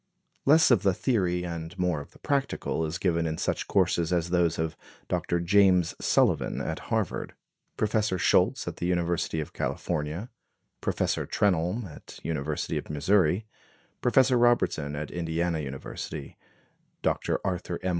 Less of the theory and more of the practical is given in such courses as those of Dr. James Sullivan, at Harvard; Professor Scholz, at the University of California; Professor Trenholme, at University of Missouri; Professor Robertson, at Indiana University; Dr. Arthur M.